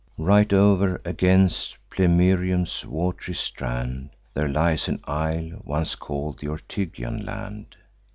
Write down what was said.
"Right o'er against Plemmyrium's wat'ry strand, There lies an isle once call'd th' Ortygian land.